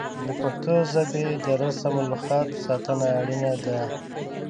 د پښتو ژبې د رسم الخط ساتنه اړینه ده.